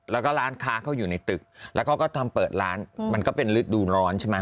แล้วก็ร้านค้าเขาอยู่ในตึกแล้วเขาก็ทำเปิดร้านมันก็เป็นฤดูร้อนใช่ไหม